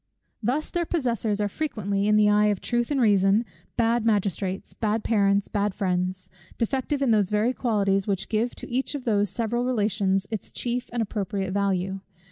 Thus their possessors are frequently, in the eye of truth and reason, bad magistrates, bad parents, bad friends; defective in those very qualities, which give to each of those several relations its chief and appropriate value.